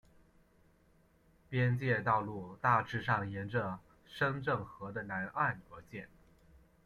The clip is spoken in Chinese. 边界道路大致上沿着深圳河的南岸而建。